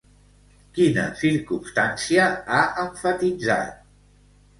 Quina circumstància ha emfatitzat?